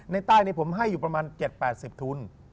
ใต้นี้ผมให้อยู่ประมาณ๗๘๐ทุน